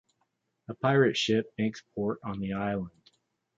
A pirate ship makes port on the island.